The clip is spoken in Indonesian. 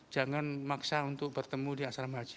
jangan maksa untuk bertemu di asrama haji